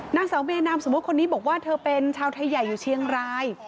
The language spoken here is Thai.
นางสาวเวนามสมมุติคนนี้บอกว่าเธอเป็นชาวไทยใหญ่อยู่เชียงราย